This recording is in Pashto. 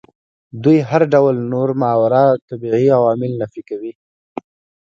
دوی هر ډول نور ماورا الطبیعي عوامل نفي کوي.